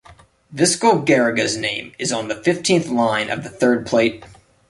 Viscal Garriga's name is on the fifteenth line of the third plate.